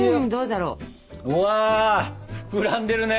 うわ膨らんでるね！